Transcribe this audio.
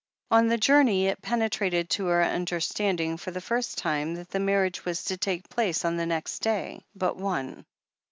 On the journey, it penetrated to her understanding for the first time that the marriage was to take place on the next day but one.